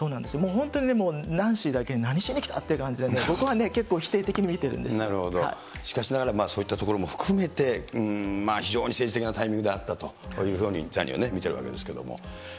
本当にでもナンシーだけになんしに来たっていう感じで、僕は結構否定的に見てしかしながら、そういったところも含めて、非常に政治的なタイミングであったというふうにザニーは見てるわけですけれども。